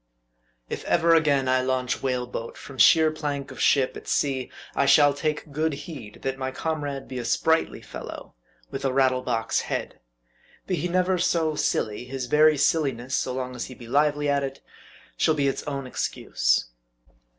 IF ever again I launch whale boat from sheer plank of ship at sea, I shall take good heed, that my comrade be a sprightly fellow, with a rattle box head. Be he never so silly, his very silliness, so long as he be lively at it, shall be its own excuse.